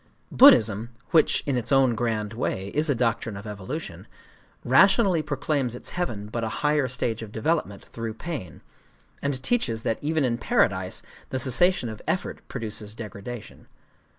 Buddhism—which, in its own grand way, is a doctrine of evolution—rationally proclaims its heaven but a higher stage of development through pain, and teaches that even in paradise the cessation of effort produces degradation.